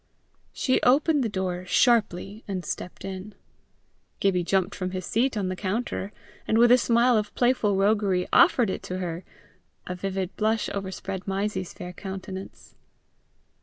She opened the door sharply, and stepped in. Gibbie jumped from his seat on the counter, and, with a smile of playful roguery, offered it to her; a vivid blush overspread Mysie's fair countenance.